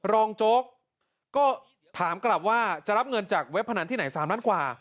โจ๊กก็ถามกลับว่าจะรับเงินจากเว็บพนันที่ไหน๓ล้านกว่า